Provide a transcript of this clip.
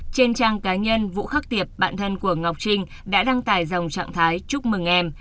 trên trang cá nhân vũ khắc tiệp bạn thân của ngọc trinh đã đăng tải dòng trạng thái chúc mừng em